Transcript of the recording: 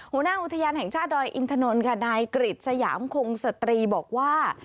หัวหน้าอุทยานแห่งชาติดอยอินทนนท์ค่ะนายกริจสยามคงสตรีบอกว่า